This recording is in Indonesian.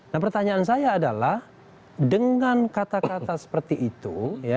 nah pertanyaan saya adalah dengan kata kata seperti itu